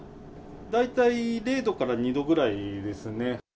大体０度から２度ぐらいですね。